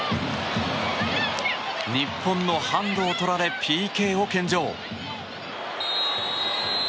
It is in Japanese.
日本のハンドをとられＰＫを献上。